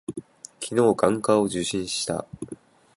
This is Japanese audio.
昨日、眼科を受診した。